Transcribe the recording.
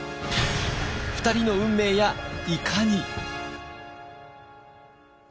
２人の運命やいかに！？